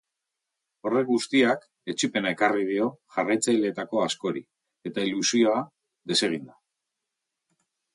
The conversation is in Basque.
Horrek guztiak etsipena ekarri dio jarraitzaileetako askori eta ilusioa desegin da.